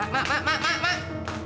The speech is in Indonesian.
mak mak mak mak